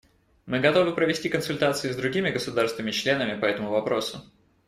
Мы готовы провести консультации с другими государствами-членами по этому вопросу.